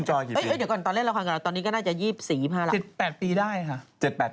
หึเดี๋ยวก่อนตอนเล่นราคาตอนนี้น่าจะ๒๔๒๕หลัง